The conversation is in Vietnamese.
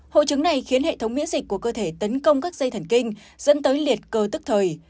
hội chứng này khiến hệ thống miễn dịch của cơ thể tấn công các dây thần kinh dẫn tới liệt cơ tức thời